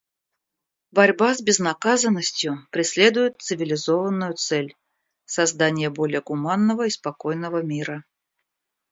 Борьба с безнаказанностью преследует цивилизованную цель — создание более гуманного и спокойного мира.